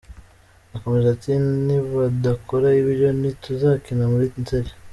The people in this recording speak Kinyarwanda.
Akomeza ati “Nibadakora ibyo, ntituzakina muri Nzeli.